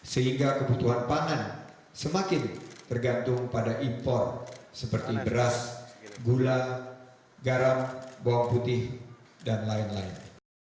sehingga kebutuhan pangan semakin tergantung pada impor seperti beras gula garam bawang putih dan lain lain